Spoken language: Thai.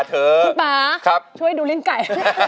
คุณป่าช่วยดูลิ้นไก่